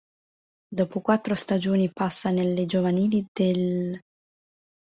Dopo quattro stagioni passa nelle giovanili dell'.